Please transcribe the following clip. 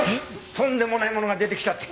とんでもないものが出てきちゃって。